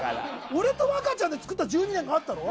俺と若ちゃんで作った１２年があっただろ。